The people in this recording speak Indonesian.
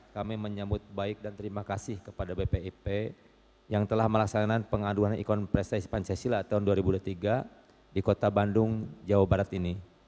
kami menyambut baik dan terima kasih kepada bpip yang telah melaksanakan pengaduan ikon prestasi pancasila tahun dua ribu dua puluh tiga di kota bandung jawa barat ini